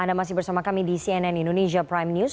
anda masih bersama kami di cnn indonesia prime news